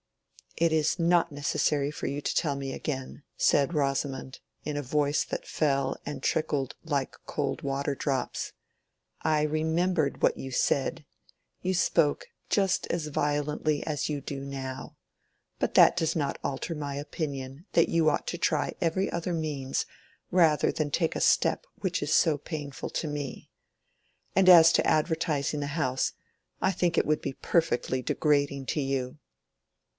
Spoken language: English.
"It is not necessary for you to tell me again," said Rosamond, in a voice that fell and trickled like cold water drops. "I remembered what you said. You spoke just as violently as you do now. But that does not alter my opinion that you ought to try every other means rather than take a step which is so painful to me. And as to advertising the house, I think it would be perfectly degrading to you."